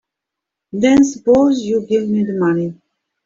Then suppose you give me the money.